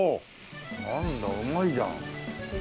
なんだうまいじゃん。